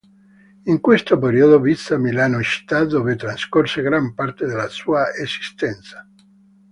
In questo periodo visse a Milano, città dove trascorse gran parte della sua esistenza.